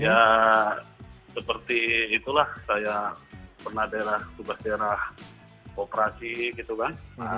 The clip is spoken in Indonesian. ya seperti itulah saya pernah di daerah di luar daerah operasi gitu kan